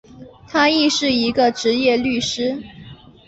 他亦是一个执业律师。